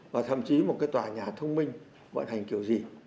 và thậm chí một cái tòa nhà thông minh vận hành kiểu gì